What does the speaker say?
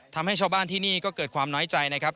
ทำให้ชาวบ้านที่นี่ก็เกิดความน้อยใจนะครับ